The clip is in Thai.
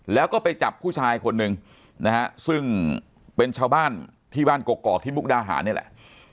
แล้วก็ไปจับผู้ชายคนหนึ่งนะฮะซึ่งเป็นชาวบ้านที่บ้านกกอกที่มุกดาหารนี่แหละ